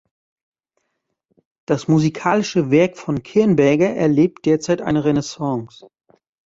Das musikalische Werk von Kirnberger erlebt derzeit eine Renaissance.